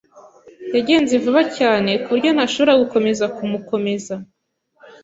Yagenze vuba cyane kuburyo ntashobora gukomeza kumukomeza.